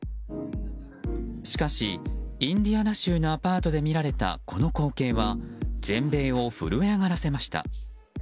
しかし、インディアナ州のアパートで見られたこの光景は全米を震え上がらせました。